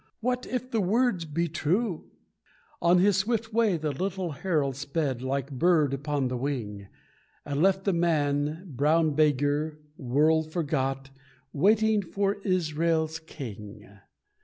What if the words be true!" On his swift way the little herald sped, Like bird upon the wing, And left the lean, brown beggar world forgot Waiting for Israel's King.